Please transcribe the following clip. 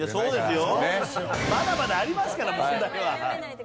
まだまだありますから問題は。